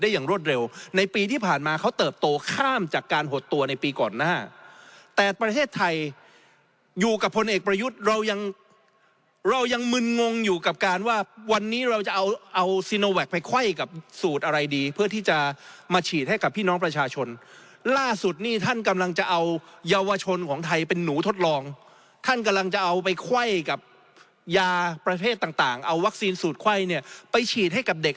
อย่างรวดเร็วในปีที่ผ่านมาเขาเติบโตข้ามจากการหดตัวในปีก่อนหน้าแต่ประเทศไทยอยู่กับพลเอกประยุทธ์เรายังเรายังมึนงงอยู่กับการว่าวันนี้เราจะเอาเอาซีโนแวคไปไขว้กับสูตรอะไรดีเพื่อที่จะมาฉีดให้กับพี่น้องประชาชนล่าสุดนี่ท่านกำลังจะเอาเยาวชนของไทยเป็นหนูทดลองท่านกำลังจะเอาไปไขว้กับยาประเภทต่างเอาวัคซีนสูตรไข้เนี่ยไปฉีดให้กับเด็ก